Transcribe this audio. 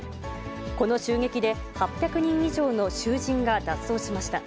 この襲撃で８００人以上の囚人が脱走しました。